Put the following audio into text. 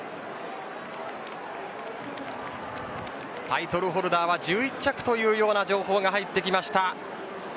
タイトルホルダーは１１着という情報が入ってきました。